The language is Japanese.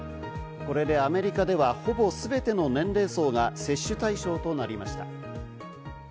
これでアメリカではほぼ、すべての年齢層が接種対象となりました。